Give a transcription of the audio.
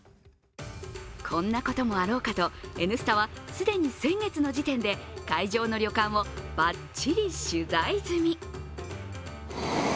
こんなこともあろうかと「Ｎスタ」は既に先月の時点で会場の旅館をばっちり取材済み。